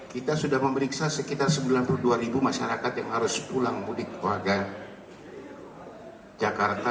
kita sudah memeriksa sekitar sembilan puluh dua ribu masyarakat yang harus pulang mudik keluarga jakarta